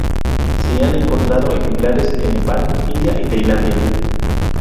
Se han encontrado ejemplares en Nepal, India y Tailandia.